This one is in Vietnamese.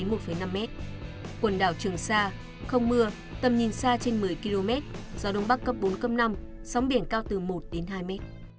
quần đảo trường sa không mưa tầm nhìn xa trên một mươi km gió đông bắc cấp bốn cấp năm sóng biển cao từ một đến hai mét